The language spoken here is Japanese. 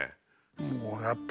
もう「やった！